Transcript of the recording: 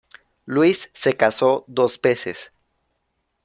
Luis se casó dos veces.